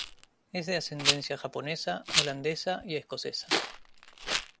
Es de ascendencia japonesa, holandesa y escocesa.